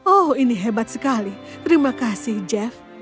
oh ini hebat sekali terima kasih jeff